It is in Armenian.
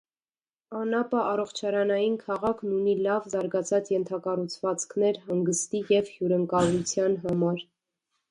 Անապա առողջարանային քաղաքն ունի լավ զարգացած ենթակառուցվածքներ հանգստի և հյուրընկալության համար։